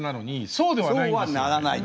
そうはならないと。